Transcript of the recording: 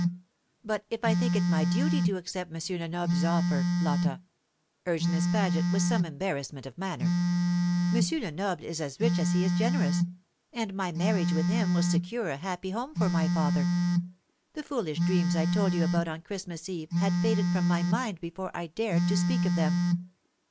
"But if I think it my duty to accept M. Lenoble's offer, Lotta?" urged Miss Paget with some embarrassment of manner. "M. Lenoble is as rich as he is generous, and my marriage with him will secure a happy home for my father. The foolish dreams I told you about on Christmas Eve had faded from my mind before I dared to speak of them.